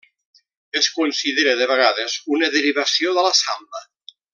Es considera de vegades una derivació de la samba.